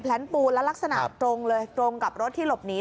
ปูนและลักษณะตรงเลยตรงกับรถที่หลบหนี